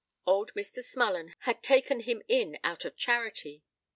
Old Mr. Smullen had taken him in, out of charity.